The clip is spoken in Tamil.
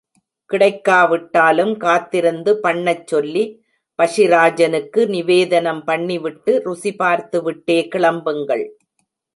கிடைக்காவிட்டாலும், காத்திருந்து பண்ணச் சொல்லி, பக்ஷிராஜனுக்கு நிவேதனம் பண்ணிவிட்டு, ருசிபார்த்துவிட்டே கிளம்புங்கள்.